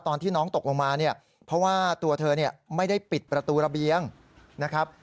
ตอนที่น้องตกลงมาเนี่ยเพราะว่าตัวเธอเนี่ยไม่ได้ปิดประตูระเบียงนะครับ